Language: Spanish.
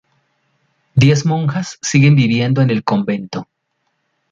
Diez monjas siguen viviendo en el convento.